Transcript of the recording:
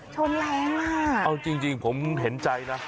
ชนแรงอ่ะเอาจริงผมเห็นใจนะ